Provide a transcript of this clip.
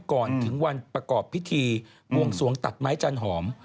ก่อนถึงวันประกอบพิธีบวงสวงตัดไม้จันหอม